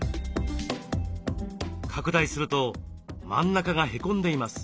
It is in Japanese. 拡大すると真ん中がへこんでいます。